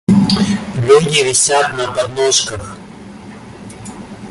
Люди висят на подножках.